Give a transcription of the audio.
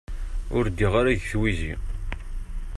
Ur ddiɣ ara deg twizi.